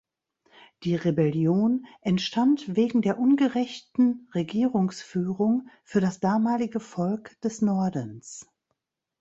Die Rebellion entstand wegen der ungerechten Regierungsführung für das damalige Volk des Nordens.